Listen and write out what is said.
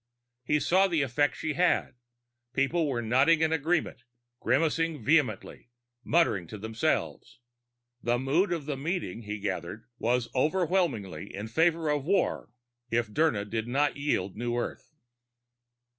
He saw the effect she had: people were nodding in agreement, grimacing vehemently, muttering to themselves. The mood of the meeting, he gathered, was overwhelmingly in favor of war if Dirna did not yield New Earth.